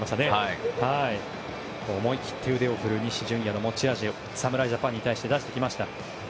思い切って腕を振る西純矢の持ち味を侍ジャパンに対して出してきました。